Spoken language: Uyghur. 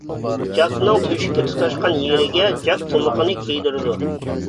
جاكنىڭ تۆشۈككە تۇتاشقان يېرىگە جاك تۇمىقىنى كىيدۈرىدۇ.